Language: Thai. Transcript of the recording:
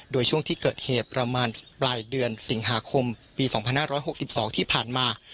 โดยช่วงที่เกิดเหตุประมาณปลายเดือนสิงหาคมปี๒๕๖๒ที่ผ่านมา